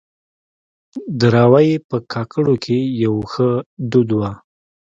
دراوۍ په کاکړو کې يو ښه دود وه.